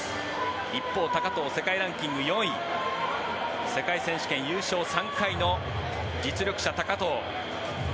一方、高藤世界ランキング４位。世界選手権優勝３回の実力者高藤。